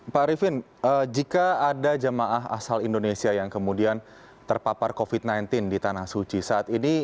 pak arifin jika ada jemaah asal indonesia yang kemudian terpapar covid sembilan belas di tanah suci saat ini